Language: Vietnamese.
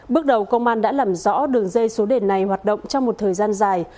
bước đầu công an đã làm rõ đường dây số đề này hoạt động trong một thời gian dài